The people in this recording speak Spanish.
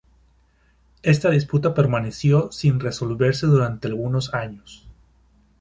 Esta disputa permaneció sin resolverse durante algunos años.